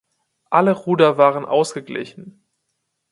Alle Ruder waren ausgeglichen.